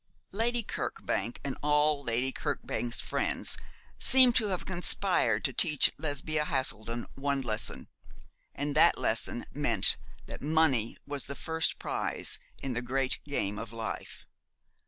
Lady Kirkbank and all Lady Kirkbank's friends seemed to have conspired to teach Lesbia Haselden one lesson, and that lesson meant that money was the first prize in the great game of life.